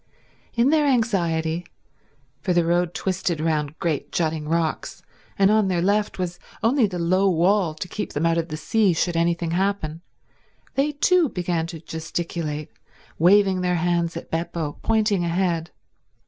In their anxiety, for the road twisted round great jutting rocks, and on their left was only the low wall to keep them out of the sea should anything happen, they too began to gesticulate, waving their hands at Beppo, pointing ahead.